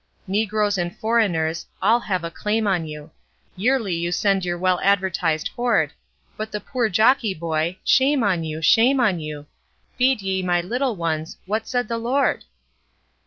Negroes and foreigners, all have a claim on you; Yearly you send your well advertised hoard, But the poor jockey boy shame on you, shame on you, 'Feed ye, my little ones' what said the Lord?